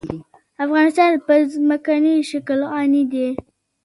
افغانستان په ځمکنی شکل غني دی.